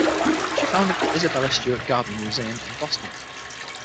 She founded the Isabella Stewart Gardner Museum in Boston.